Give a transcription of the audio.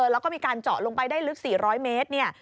แล้วก็มีการเจาะลงไปได้ลึก๔๐๐เมตรเนี่ย